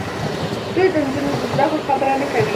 دوی د نجونو د زدهکړو خبره نه کوي.